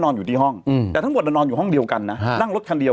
นี่แบบว่าเกี่ยวข้องเลย